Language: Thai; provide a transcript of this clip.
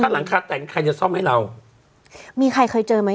หลังคาแต่งใครจะซ่อมให้เรามีใครเคยเจอไหม